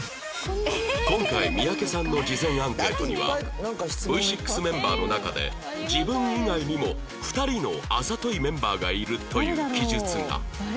今回三宅さんの事前アンケートには Ｖ６ メンバーの中で自分以外にも２人のあざといメンバーがいるという記述が